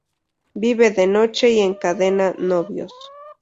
Vive de noche y encadena novios.